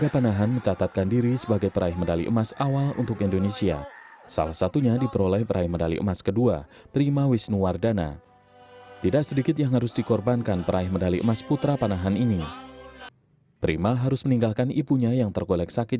penyumbang medali mas kedua dari cabang panahan prima wisnuwardana harus bertanding dengan meninggalkan ibunya yang tergolek sakit